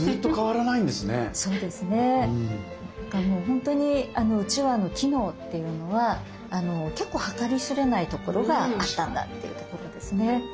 ほんとにうちわの機能っていうのは結構計り知れないところがあったんだというところですね。